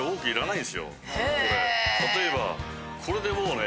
例えばこれでもうね